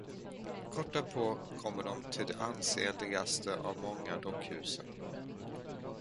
Kort därpå kommer de till det ansenligaste av de många dockhusen.